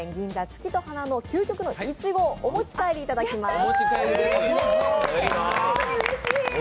月と花の究極のいちごをお持ち帰りいただきます。